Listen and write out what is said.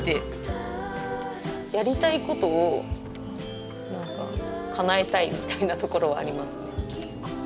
やりたいことを何かかなえたいみたいなところはありますね。